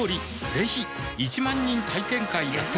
ぜひ１万人体験会やってます